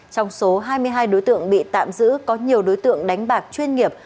trong số hai mươi hai đối tượng bị tạm giữ có nhiều đối tượng đánh bạc chuyên nghiệp